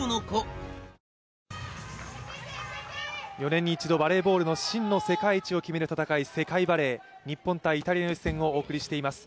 ４年に一度、バレーボールの真の世界一を決める世界バレー、日本×イタリアの一戦をお送りしています。